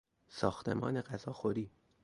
ساختمان غذاخوری